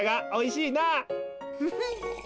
フフッ。